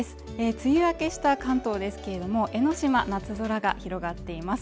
梅雨明けした関東ですけれども江の島は夏空が広がっています